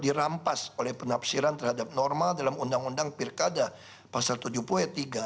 dirampas oleh penafsiran terhadap norma dalam undang undang pilkada pasal tujuh puluh ayat tiga